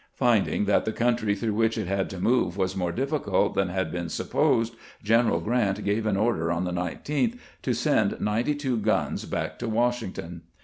Finding that the country through which it had to move was more difficult than had been supposed, General Grant gave an order on the 19th to send ninety two guns back to Washington.